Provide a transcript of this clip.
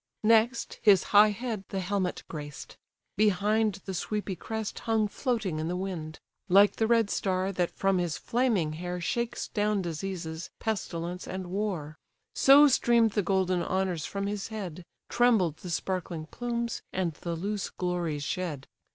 Next, his high head the helmet graced; behind The sweepy crest hung floating in the wind: Like the red star, that from his flaming hair Shakes down diseases, pestilence, and war; So stream'd the golden honours from his head, Trembled the sparkling plumes, and the loose glories shed.